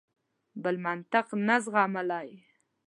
بل منطق نه زغملای.